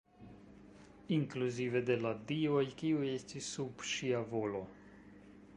Inkluzive de la dioj kiuj estis sub ŝia volo.